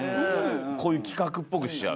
こういう企画っぽくしちゃう。